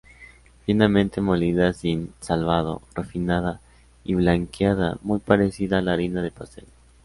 Finamente molida sin salvado, refinada, y blanqueada, muy parecida a la harina de pastel.